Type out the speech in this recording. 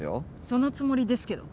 そのつもりですけど。